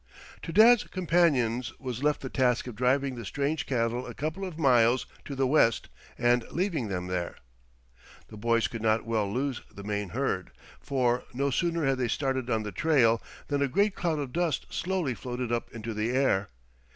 To Tad's companions was left the task of driving the strange cattle a couple of miles to the west and leaving them there. The boys could not well lose the main herd; for, no sooner had they started on the trail than a great cloud of dust slowly floated up into the air.